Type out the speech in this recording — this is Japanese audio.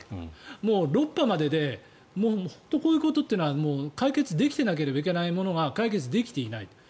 もう６波までで本当にこういうことというのは解決できてなければならないものが解決できていない。